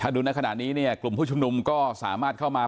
ถ้าดูนะขนาดนี้กลุ่มผู้ชมนุมก็สามารถเข้ามา